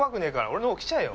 俺の方来ちゃえよ！